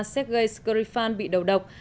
sergei skripal bị đầu độc